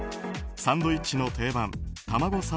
サンドイッチの定番たまご